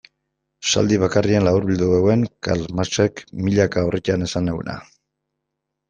Esaldi bakarrean laburbildu zuen Karl Marxek milaka orritan esan zuena.